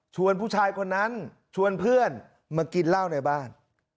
ผู้ชายคนนั้นชวนเพื่อนมากินเหล้าในบ้าน